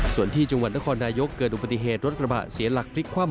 ส่วนที่จังหวัดนครนายกเกิดอุบัติเหตุรถกระบะเสียหลักพลิกคว่ำ